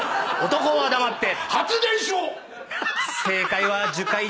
男は黙って。